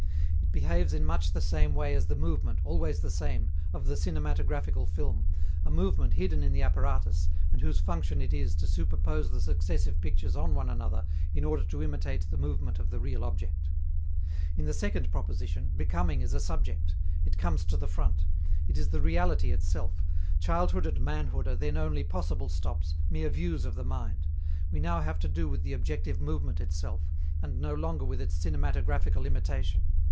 It behaves in much the same way as the movement, always the same, of the cinematographical film, a movement hidden in the apparatus and whose function it is to superpose the successive pictures on one another in order to imitate the movement of the real object. In the second proposition, "becoming" is a subject. It comes to the front. It is the reality itself; childhood and manhood are then only possible stops, mere views of the mind; we now have to do with the objective movement itself, and no longer with its cinematographical imitation.